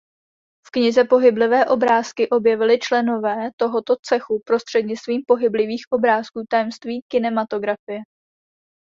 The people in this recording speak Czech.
V knize "Pohyblivé obrázky" objevili členové tohoto cechu prostřednictvím pohyblivých obrázků tajemství kinematografie.